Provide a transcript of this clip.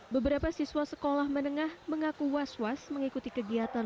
beberapa siswa sekolah menengah mengaku was was mengikuti kegiatan